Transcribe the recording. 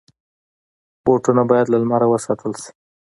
بوټونه باید له لمره وساتل شي.